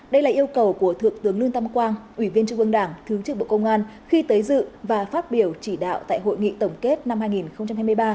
đây là yêu cầu của thượng tướng lương tam quang ủy viên trung ương đảng thứ trưởng bộ công an khi tới dự và phát biểu chỉ đạo tại hội nghị tổng kết năm hai nghìn hai mươi ba